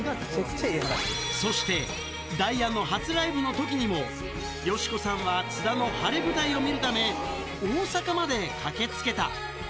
そして、ダイアンの初ライブのときにも、佳子さんは津田の晴れ舞台を見るために、大阪まで駆けつけた。